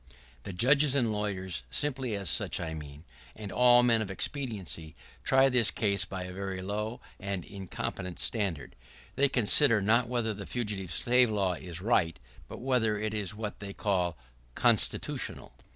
[¶34] The judges and lawyers — simply as such, I mean — and all men of expediency, try this case by a very low and incompetent standard. They consider, not whether the Fugitive Slave Law is right, but whether it is what they call constitutional.